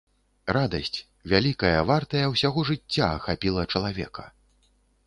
Радасць, вялікая, вартая ўсяго жыцця, ахапіла чалавека.